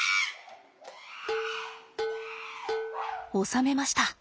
収めました。